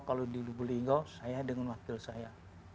kalau di ligau saya dengan wakil saya